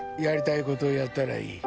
やりたいことやったらいい。